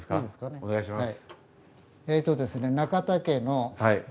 お願いします。